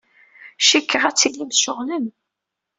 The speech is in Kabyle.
Cikkeɣ ad tilim tceɣlem.